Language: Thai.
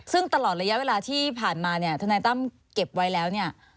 ซึ่งตลอดระยะเวลาที่ผ่านมาเนี่ยทนายตั้มเก็บไว้แล้วเนี่ย